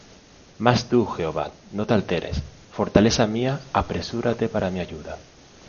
Mas tú, Jehová, no te alejes; Fortaleza mía, apresúrate para mi ayuda.